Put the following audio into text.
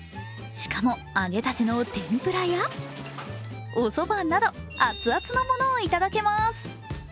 しかも揚げたての天ぷらやおそばなど、アツアツのものをいただけます。